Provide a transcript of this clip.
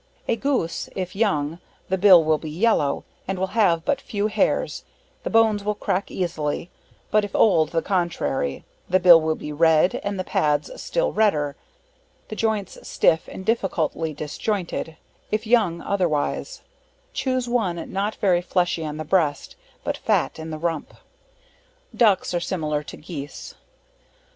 A Goose, if young, the bill will be yellow, and will have but few hairs, the bones will crack easily; but if old, the contrary, the bill will be red, and the pads still redder; the joints stiff and difficultly disjointed; if young, otherwise; choose one not very fleshy on the breast, but fat in the rump. Ducks, are similar to geese.